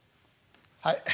はい」。